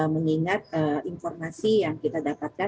mengingat informasi yang kita dapatkan